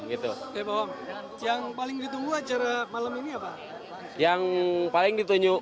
oke pak om yang paling ditunggu acara malam ini apa